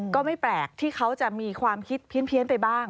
ก็ไม่แปลกที่เขาจะมีความคิดเพี้ยนไปบ้าง